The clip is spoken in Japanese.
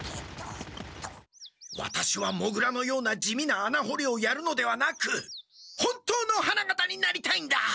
ワタシはモグラのような地味なあなほりをやるのではなく本当の花形になりたいんだ！